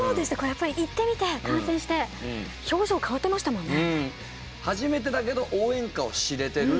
やっぱり行ってみて観戦して表情変わってましたもんね。